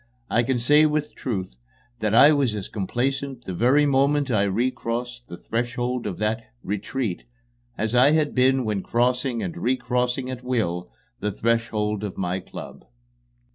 I can say with truth that I was as complacent the very moment I recrossed the threshold of that "retreat" as I had been when crossing and recrossing at will the threshold of my club.